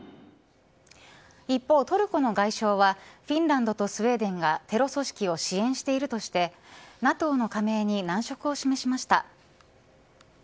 一方トルコの外相はフィンランドとスウェーデンがテロ組織を支援しているとしてＮＡＴＯの加盟に難色を示しました。